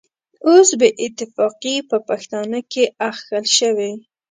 اوس بې اتفاقي په پښتانه کې اخښل شوې.